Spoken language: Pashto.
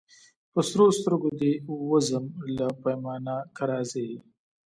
په سرو سترګو دي وزم له پیمانه که راځې